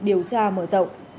điều tra mở rộng